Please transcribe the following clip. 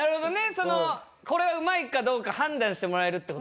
そのこれうまいかどうか判断してもらえるって事ですね？